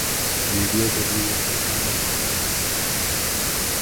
Media کیلئے یہ sexy مضمون نہیں۔